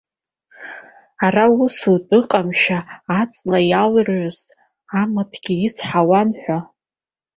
Ара усутәы ыҟамшәа, аҵла иалыҩрыз амаҭгьы ицҳауан ҳәа.